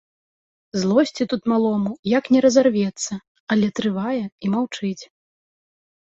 Злосці тут малому, як не разарвецца, але трывае і маўчыць.